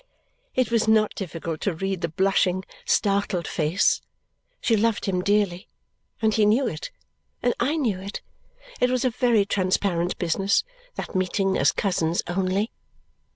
It was not difficult to read the blushing, startled face. She loved him dearly, and he knew it, and I knew it. It was a very transparent business, that meeting as cousins only.